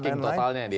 saking totalnya dia